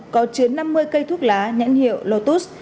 có chứa năm mươi cây thuốc lá nhãn hiệu lotus